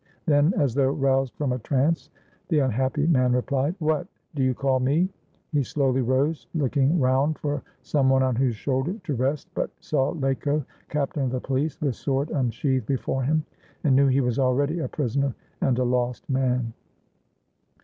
Then, as though roused from a trance, the unhappy man replied, "What — do you call me?" He slowly rose, looking round for some one on whose shoulder to rest, but saw Laco, captain of the police, with sword unsheathed before him, and knew he was already a prisoner and a lost man.